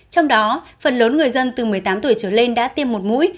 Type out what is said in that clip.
trong đó phần lớn người dân từ một mươi tám tuổi trở lên đã tiêm một mũi